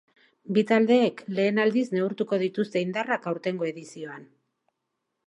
Bi taldeek lehen aldiz neurtuko dituzte indarrak aurtengo edizioan.